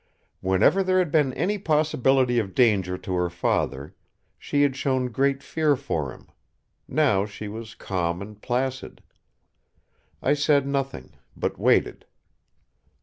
Whenever there had been any possibility of danger to her father, she had shown great fear for him; now she was calm and placid. I said nothing, but waited.